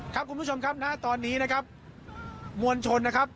ครับคุณผู้ชมครับณตอนนี้นะครับมวลชนนะครับ